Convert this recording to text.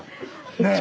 ねえ。